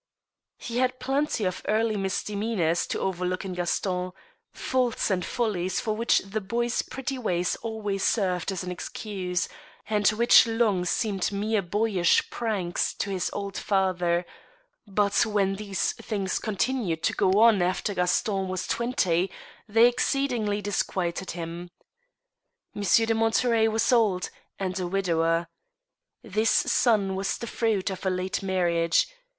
He had plenty of early misdemeanors to overlook in Gaston — faults and follies for which the boy's pretty ways always served as an excuse, and which long seemed mere boyish pranks to his old father; but, when these things continued to go on after Gaston was twenty, they exceedingly disquieted him. Monsieur de Monterey was old, and a widower. This son was the fruit of a late marriage.